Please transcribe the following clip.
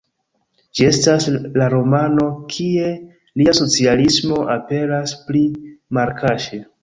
Ĝi estas la romano, kie lia socialismo aperas pli malkaŝe.